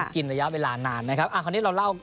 กินระยะเวลานานนะครับคราวนี้เราเล่า